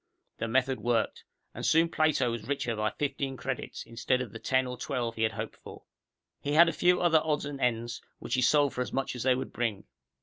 The method worked. And soon Plato was richer by fifteen credits, instead of the ten or twelve he had hoped for. He had a few other odds and ends, which he sold for as much as they would bring.